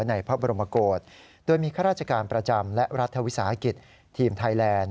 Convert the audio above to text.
ในพระบรมกฏโดยมีข้าราชการประจำและรัฐวิสาหกิจทีมไทยแลนด์